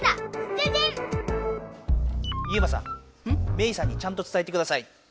メイさんにちゃんとつたえてください。